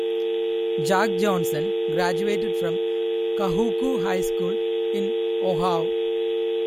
Jack Johnson graduated from Kahuku High School in Oahu.